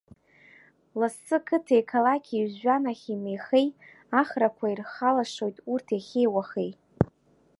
Лассы қыҭеи қалақьи, жәҩан ахь имеихеи, ахрақәа ирхалашоит урҭ иахьеи уахеи.